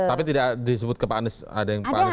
tapi tidak disebut ke pak anies ada yang pak anies